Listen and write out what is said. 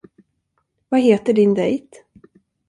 Vad heter din dejt?